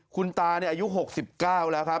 คุณตาอายุ๖๙แล้วครับ